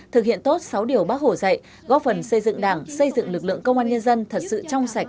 thực hiện tốt sáu điều bác hồ dạy góp phần xây dựng đảng xây dựng lực lượng công an nhân dân thật sự trong sạch